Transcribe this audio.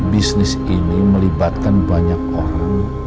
bisnis ini melibatkan banyak orang